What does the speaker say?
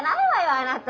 あなた。